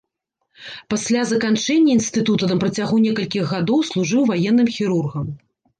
Пасля заканчэння інстытута на працягу некалькіх гадоў служыў ваенным хірургам.